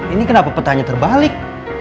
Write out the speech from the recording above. ini kenapa petanya terbalik